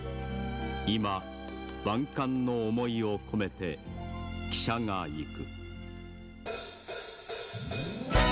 今、万感の思いを込めて汽車が行く。